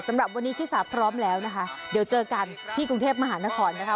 สำหรับวันนี้ชิสาพร้อมแล้วนะคะเดี๋ยวเจอกันที่กรุงเทพมหานครนะคะ